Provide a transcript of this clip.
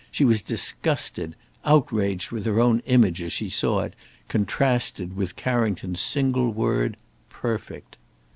She was disgusted, outraged with her own image as she saw it, contrasted with Carrington's single word: Perfect!